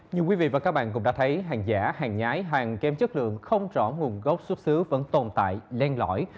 nhiều quý vị và các bạn cũng đã thấy hàng giả hàng nhái hàng kém chất lượng không rõ nguồn gốc xuất xứ vẫn tồn tại len lõi